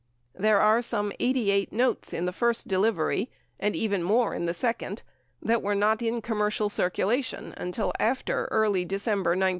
There are some 88 notes in the first delivery, and even more in the second, that were not in commercial circulation until after early December 1968.